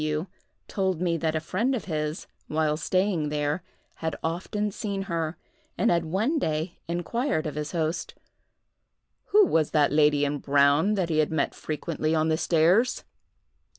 W—— told me that a friend of his, while staying there, had often seen her, and had one day inquired of his host, "Who was the lady in brown that he had met frequently on the stairs?"